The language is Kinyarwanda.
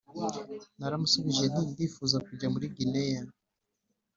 naramushubije nti ndifuza kujya muri gineya